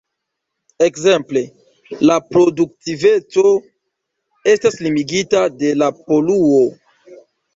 Ekzemple, la produktiveco estas limigita de la poluo.